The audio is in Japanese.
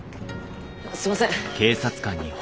すいません。